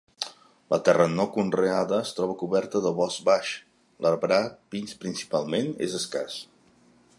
La terra no conreada es troba coberta de bosc baix; l'arbrat, pins principalment, és escàs.